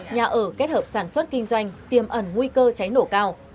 nhà ở kết hợp sản xuất kinh doanh tiềm ẩn nguy cơ cháy nổ cao